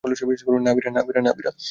না, ভীরা।